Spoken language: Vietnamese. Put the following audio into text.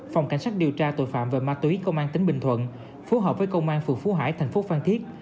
phòng cảnh sát điều tra tội phạm về ma túy công an tỉnh bình thuận phối hợp với công an phường phú hải thành phố phan thiết